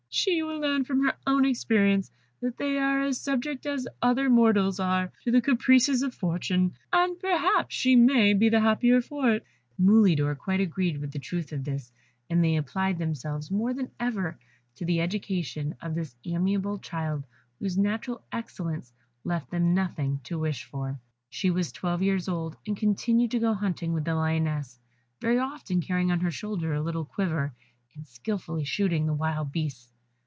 She will learn from her own experience that they are as subject as other mortals are to the caprices of Fortune, and perhaps she may be the happier for it." Mulidor quite agreed with the truth of this, and they applied themselves more than ever to the education of this amiable child, whose natural excellence left them nothing to wish for. She was twelve years old, and continued to go hunting with the Lioness, very often carrying on her shoulder a little quiver, and skilfully shooting the wild beasts.